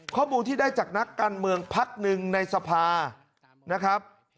ข้อมูลที่ได้จากนักการเมืองพักหนึ่งในสภานะครับ